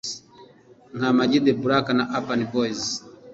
nka Ama-G The Black na Urban Boys